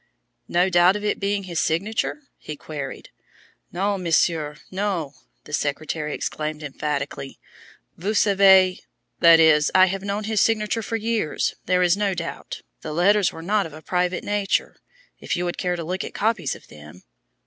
"No doubt of it being his signature?" he queried. "Non, Monsieur, non!" the secretary exclaimed emphatically. "Vous avez that is, I have known his signature for years. There is no doubt. The letters were not of a private nature. If you would care to look at copies of them?"